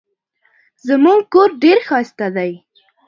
زموږ کور ډېر ښایسته دی.